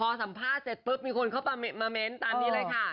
พอสัมภาษณ์เสร็จเค้าเข้ามาแมนต์ตามนี้ละข๊ะ